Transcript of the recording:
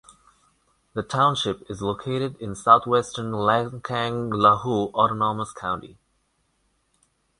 The township is located in southwestern Lancang Lahu Autonomous County.